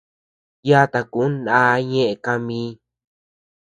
Yata kun ndá ñeʼe káa mi.